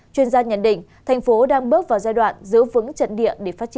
chuyên gia nhận định thành phố đang bước vào giai đoạn giữ vững trận địa